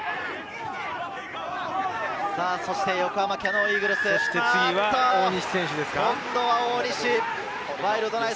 そして横浜キヤノンイーグルス。今度は大西。